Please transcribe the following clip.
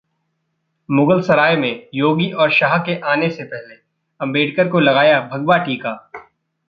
मुगलसराय में योगी और शाह के आने से पहले अंबेडकर को लगाया भगवा टीका